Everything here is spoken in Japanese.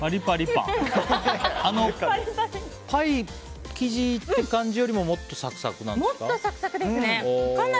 パイ生地って感じよりももっとサクサクなんですか？